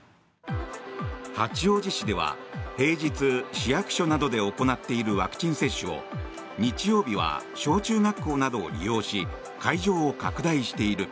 八王子市では平日、市役所などで行っているワクチン接種を日曜日は小中学校などを利用し会場を拡大している。